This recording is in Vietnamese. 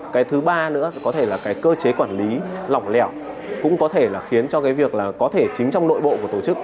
cái thứ ba nữa có thể là cơ chế quản lý lỏng lẻo cũng có thể là khiến cho việc có thể chính trong nội bộ của tổ chức